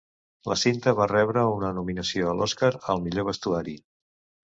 La cinta va rebre una nominació a l'Oscar al millor vestuari.